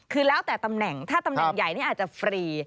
คือแล้วแต่ตำแหน่งถ้าตำแหน่งใหญ่นี่อาจจะฟรี